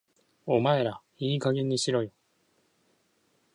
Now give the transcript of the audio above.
お前らいい加減にしろよ